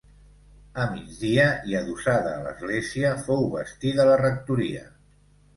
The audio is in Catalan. A migdia i adossada a l'església, fou bastida la rectoria.